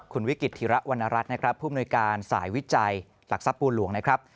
คุณวิกฤตธิระวรรณรัฐนะครับผู้มนุยการสายวิจัยหลักทรัพย์ปูหลวงนะครับ